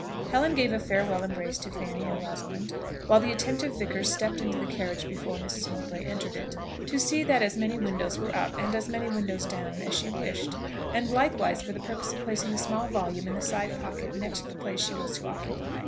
Helen gave a farewell embrace to Fanny and Rosalind; while the attentive vicar stepped into the carriage before Mrs. Mowbray entered it, to see that as many windows were up and as many windows down as she wished, and likewise for the purpose of placing a small volume in the side pocket next the place she was to occupy.